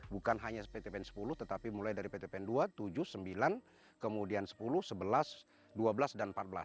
bukan hanya pt pn sepuluh tetapi mulai dari pt pn dua tujuh sembilan kemudian sepuluh sebelas dua belas dan empat belas